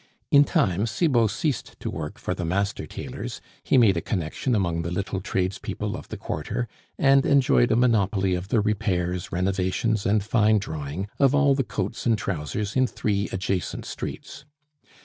In time Cibot ceased to work for the master tailors; he made a connection among the little trades people of the quarter, and enjoyed a monopoly of the repairs, renovations, and fine drawing of all the coats and trousers in three adjacent streets.